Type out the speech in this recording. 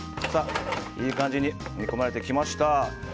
いい感じに煮込まれてきました。